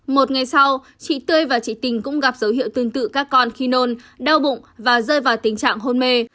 một ngày sau chị tươi và chị tình cũng gặp dấu hiệu tương tự các con khi nôn đau bụng và rơi vào tình trạng hôn mê